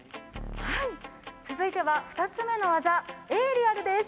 続いては２つ目の技、エーリアルです。